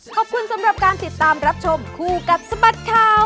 ขอบคุณสำหรับการติดตามรับชมคู่กับสบัดข่าว